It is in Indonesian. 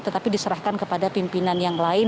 tetapi diserahkan kepada pimpinan yang lain